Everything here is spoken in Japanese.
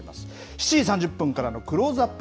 ７時３０分からのクローズアップ